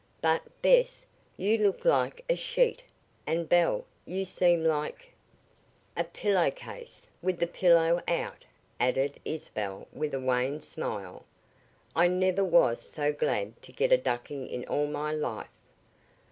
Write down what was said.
But, Bess, you look like a sheet, and Belle, you seem like " "A pillow case, with the pillow out," added Isabel with a wan smile. "I never was so glad to get a ducking in all my life."